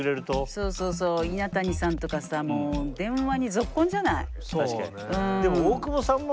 そうそうそう稲谷さんとかさもう電話にぞっこんじゃない。